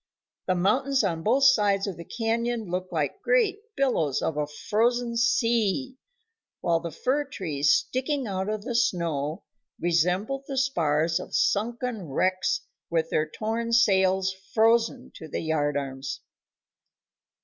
The mountains on both sides of the canyon looked like great billows of a frozen sea, while the fir trees sticking out of the snow resembled the spars of sunken wrecks with their torn sails frozen to the yardarms.